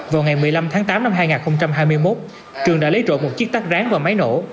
vào ngày một mươi năm tháng tám năm hai nghìn hai mươi một trường đã lấy trộm một chiếc tắt ráng và máy nổ